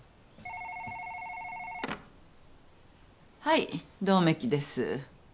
☎はい百目鬼です。